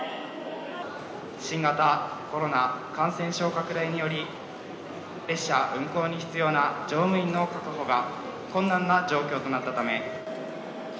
新型コロナ感染症拡大により、列車運行に必要な乗務員の確保が困難な状況となったため。